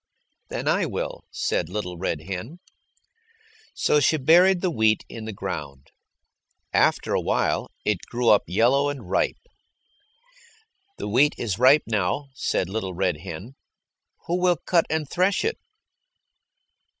"Then I will," said Little Red Hen. So she buried the wheat in the ground. After a while it grew up yellow and ripe. "The wheat is ripe now," said Little Red Hen. "Who will cut and thresh it?"